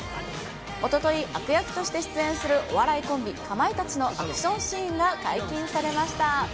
おととい、悪役として出演するお笑いコンビ、かまいたちのアクションシーンが解禁されました。